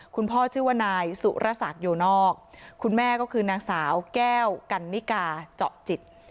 ชื่อว่านายสุรสักโยนอกคุณแม่ก็คือนางสาวแก้วกันนิกาเจาะจิต